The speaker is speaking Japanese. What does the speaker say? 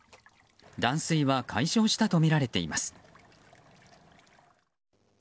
断水は解消したとみられています。